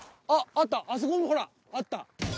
あったあそこにもほらあった